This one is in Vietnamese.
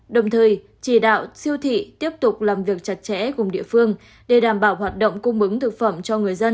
đồng thời chỉ đạo siêu thị tiếp tục làm việc